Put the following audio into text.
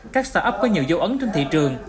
các start up có nhiều dấu ấn trên thị trường